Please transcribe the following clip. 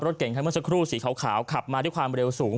รถเก่งเค้าเมื่อสักครู่สีขาวขาวขับมาที่ความเร็วสูง